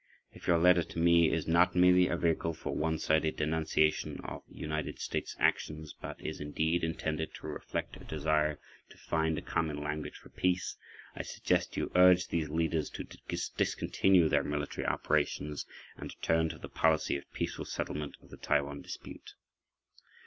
If your letter to me is not merely a vehicle for one sided denunciation of United States actions but is indeed intended to reflect a desire to find a common language for peace, I suggest you urge these leaders to discontinue their military operations and to turn to a policy of peaceful settlement of the Taiwan dispute.